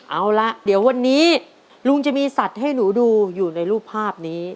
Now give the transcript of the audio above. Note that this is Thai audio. เอาละเดี๋ยววันนี้ลุงจะมีสัตว์ให้หนูดูอยู่ในรูปภาพนี้